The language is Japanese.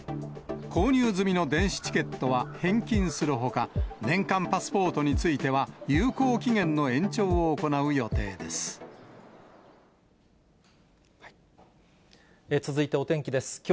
購入済みの電子チケットは返金するほか、年間パスポートについては、有効期限の延長を行う予定です。